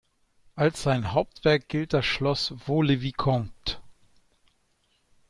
Als sein Hauptwerk gilt das Schloss Vaux-le-Vicomte.